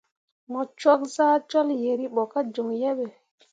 Mu cwak saa jol yeribo ka joŋ yehe.